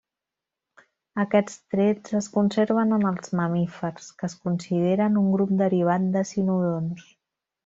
Aquests trets es conserven en els mamífers, que es consideren un grup derivat de cinodonts.